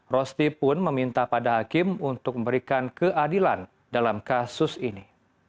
rosti pun meminta pada hakim untuk memberikan keadilan dalam kasus ini